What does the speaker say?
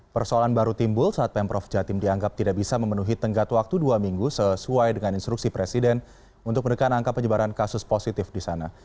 persoalan baru timbul saat pemprov jatim dianggap tidak bisa memenuhi tenggat waktu dua minggu sesuai dengan instruksi presiden untuk menekan angka penyebaran kasus positif di sana